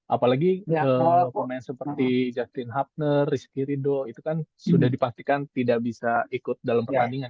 apalagi pemain seperti justin hubner rizky rido itu kan sudah dipastikan tidak bisa ikut dalam pertandingan